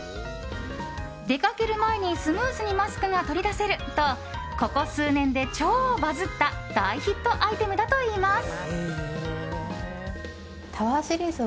出かける前にスムーズにマスクが取り出せるとここ数年で超バズった大ヒットアイテムだといいます。